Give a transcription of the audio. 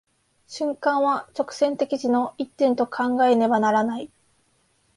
瞬間は直線的時の一点と考えねばならない。